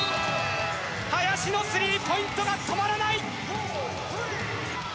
林のスリーポイントが止まらない。